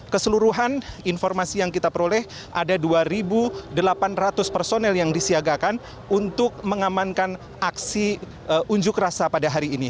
keseluruhan informasi yang kita peroleh ada dua delapan ratus personel yang disiagakan untuk mengamankan aksi unjuk rasa pada hari ini